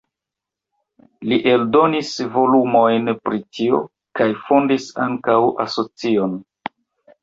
Li eldonis volumojn pri tio kaj fondis ankaŭ asocion.